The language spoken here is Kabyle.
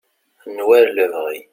n war lebɣi